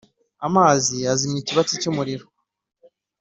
Amazi azimya ikibatsi cy’umuriro,